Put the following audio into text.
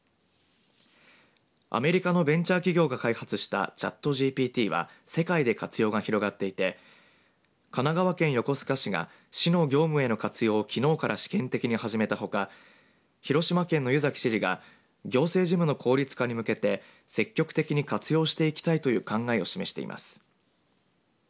アメリカのベンチャー企業が開発したＣｈａｔＧＰＴは世界で活用が広がっていて神奈川県横須賀市が市の業務への活用をきのうから試験的に始めたほか広島県の湯崎知事が行政事務の効率化に向けて積極的に活用していきたいという考えを示しています。